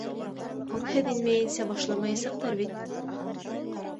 — Һуң һеҙ инмәйенсә башламаясаҡтар бит.